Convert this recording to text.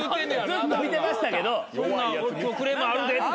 ずっと見てました。